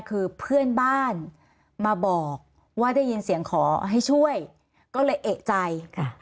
คือเพื่อนบ้านมาบอกว่าได้ยินเสียงขอให้ช่วยก็เลยเอกใจค่ะ